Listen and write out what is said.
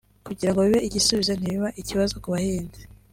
kugirango bibe igisubizo ntibiba ikibazo ku bahinzi